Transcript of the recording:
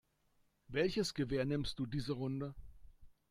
Welches Gewehr nimmst du diese Runde?